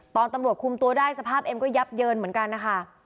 ตอนตำรวจคุมตัวได้สภาพเอ็มก็ยับเยินเหมือนกันนะคะ